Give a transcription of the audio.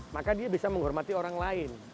maka dia bisa menghormati orang lain